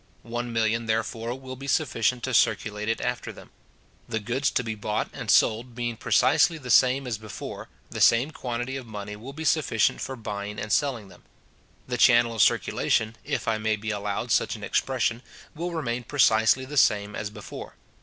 One million, therefore, will be sufficient to circulate it after them. The goods to be bought and sold being precisely the same as before, the same quantity of money will be sufficient for buying and selling them. The channel of circulation, if I may be allowed such an expression, will remain precisely the same as before.